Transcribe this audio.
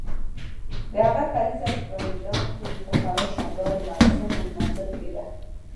د هغه کلیزه په میلان کې په خورا شاندارو مراسمو لمانځل کیده.